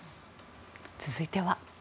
続いては。